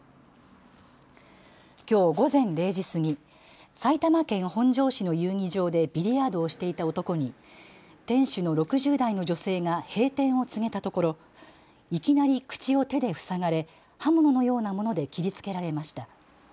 きょう午前０時過ぎ埼玉県本庄市の遊技場でビリヤードをしていた男に店主の６０代の女性が閉店を告げたところ、いきなり口を手で塞がれ刃物のようなもので切りつけられました。